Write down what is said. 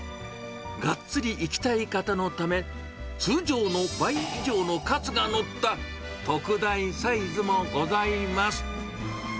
がっつりいきたい方のため、通常の倍以上のカツが載った特大サイズもございます。